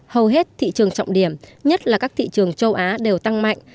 hầu hết thị trường trọng điểm nhất là các thị trường châu á đều tăng mạnh